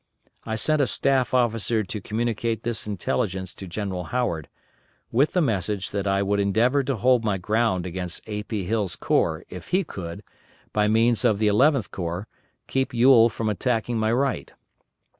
I sent a staff officer to communicate this intelligence to General Howard, with a message that I would endeavor to hold my ground against A. P. Hill's corps if he could, by means of the Eleventh Corps, keep Ewell from attacking my right.